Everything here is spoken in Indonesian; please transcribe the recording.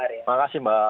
terima kasih mbak